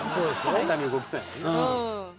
下手に動きそうやもんな。